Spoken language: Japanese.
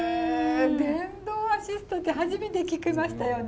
電動アシストって初めて聞きましたよね。